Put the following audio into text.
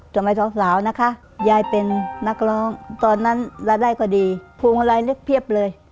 สมัยศอดสาวนะคะยายเป็นนักร้องตอนนั้นระได้พอดีภูมิกำลังเรียกเพียบเลย